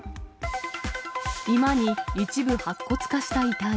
居間に一部白骨化した遺体。